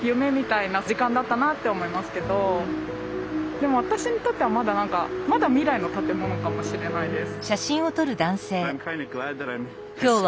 でも私にとってはまだなんかまだ未来の建物かもしれないです。